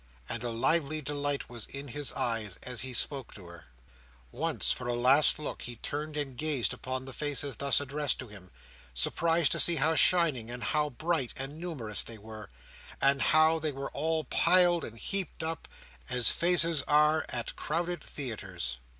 And a lively delight was in his eyes as he spoke to her. Once, for a last look, he turned and gazed upon the faces thus addressed to him, surprised to see how shining and how bright, and numerous they were, and how they were all piled and heaped up, as faces are at crowded theatres.